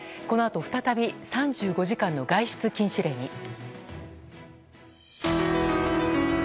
このあと再び３５時間の外出禁止令に。